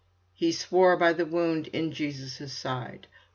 "He swore by the wound in Jesu's side."